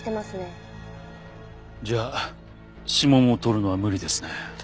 じゃあ指紋を採るのは無理ですね。